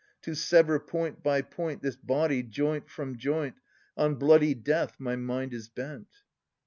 To sever point by point This body, joint from joint. On bloody death my mind is bent.